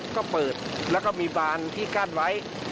ก็เปิดแล้วก็มีบานที่กั้นไว้